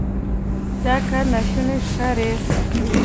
دا کار ناشونی ښکاري.